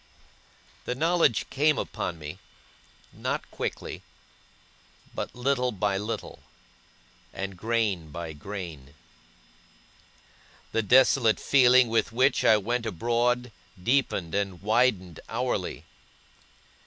The knowledge came upon me, not quickly, but little by little, and grain by grain. The desolate feeling with which I went abroad, deepened and widened hourly.